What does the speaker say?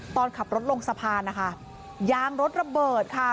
ตอนขับรถลงสะพานนะคะยางรถระเบิดค่ะ